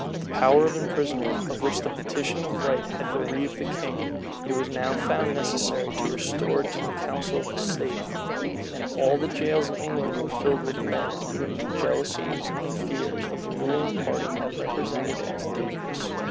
The power of imprisonment, of which the petition of right had bereaved the king, it was now found necessary to restore to the council of state; and all the jails in England were filled with men whom the jealousies and fears of the ruling party had represented as dangerous.